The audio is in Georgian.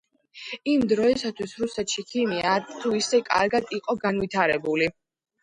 იმ დროისთვის რუსეთში ქიმია არც თუ ისე კარგად იყო განვითარებული.